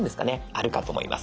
あるかと思います。